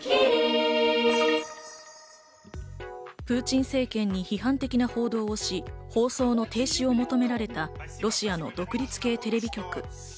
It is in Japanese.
プーチン政権に批判的な報道をし、放送の停止を求められたロシアの独立系テレビ局。